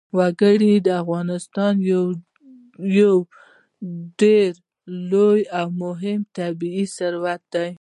وګړي د افغانستان یو ډېر لوی او مهم طبعي ثروت دی.